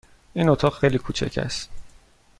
این اتاق خیلی کوچک است.